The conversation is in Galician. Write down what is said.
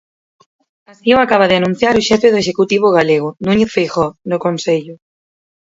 Así o acaba de anunciar o xefe do Executivo galego, Núñez Feijóo, no Consello.